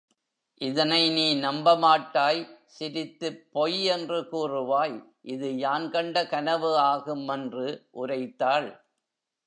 இதனை நீ நம்பமாட்டாய் சிரித்துப் பொய் என்று கூறுவாய் இது யான் கண்ட கனவு ஆகும் என்று உரைத்தாள்.